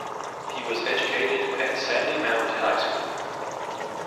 He was educated at Sandymount High School.